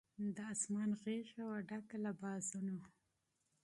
د آسمان غېږه وه ډکه له بازانو